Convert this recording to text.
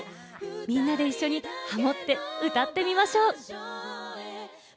みんなで一緒にハモって歌ってみましょう。